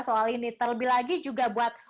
soal ini terlebih lagi juga buat